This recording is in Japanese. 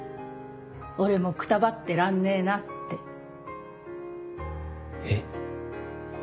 「俺もくたばってらんねえな」って。えっ。